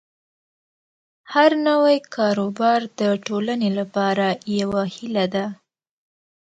هر نوی کاروبار د ټولنې لپاره یوه هیله ده.